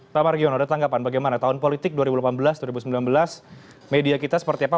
pak margiono ada tanggapan bagaimana tahun politik dua ribu delapan belas dua ribu sembilan belas media kita seperti apa